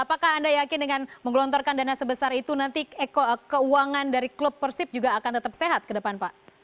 apakah anda yakin dengan menggelontorkan dana sebesar itu nanti keuangan dari klub persib juga akan tetap sehat ke depan pak